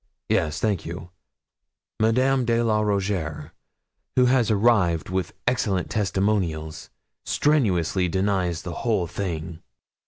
'Yes, thank you Madame de la Rougierre, who has arrived with excellent testimonials, strenuously denies the whole thing.